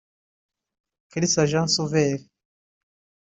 Kalisa Jean Sauveur